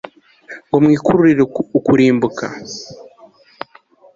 ngo mwikururire ukurimbuka